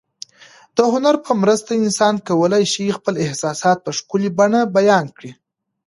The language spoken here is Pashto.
د هنر په مرسته انسان کولای شي خپل احساسات په ښکلي بڼه بیان کړي.